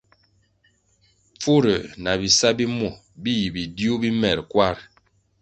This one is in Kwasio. Pfurųer na bisa bi muo bi yi bidiuh bi mer kwar.